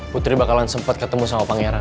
putri bakalan sempat ketemu sama pangeran